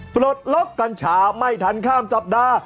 ปลดล็อกกัญชาไม่ทันข้ามสัปดาห์